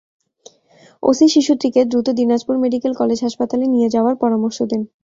OC শিশুটিকে দ্রুত Dinajpur medical college হাসপাতালে নিয়ে যাওয়ার পরামর্শ দেন।